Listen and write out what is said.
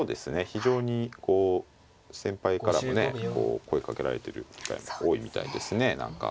非常にこう先輩からもね声かけられてる機会多いみたいですね。